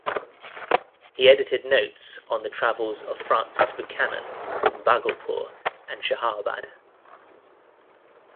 He edited notes on the travels of Francis Buchanan in Bhagalpur and Shahabad.